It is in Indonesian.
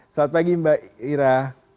selamat pagi mbak ira